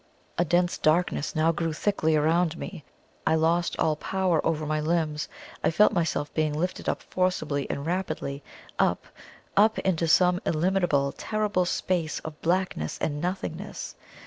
A dense darkness now grew thickly around me I lost all power over my limbs I felt myself being lifted up forcibly and rapidly, up, up, into some illimitable, terrible space of blackness and nothingness.